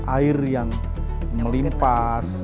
air yang melimpas